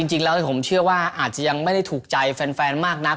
จริงแล้วผมเชื่อว่าอาจจะยังไม่ได้ถูกใจแฟนมากนัก